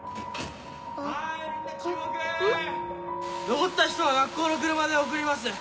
残った人は学校の車で送ります